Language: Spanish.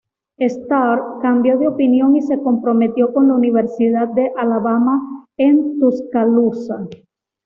Starr cambió de opinión y se comprometió con la Universidad de Alabama en Tuscaloosa.